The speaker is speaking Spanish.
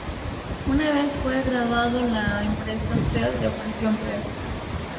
Una vez graduado la empresa Shell le ofreció empleo.